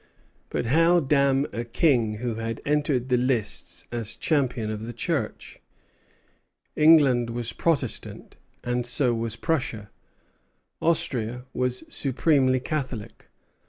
But how damn a king who had entered the lists as champion of the Church? England was Protestant, and so was Prussia; Austria was supremely Catholic.